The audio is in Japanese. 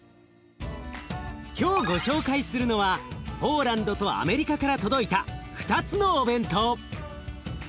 今日ご紹介するのはポーランドとアメリカから届いた２つのお弁当。